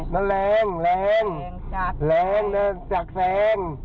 นั่นแรงแรงแรงจากแสง